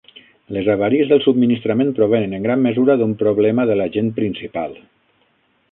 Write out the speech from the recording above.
Les avaries del subministrament provenen en gran mesura d'un problema de l'agent principal.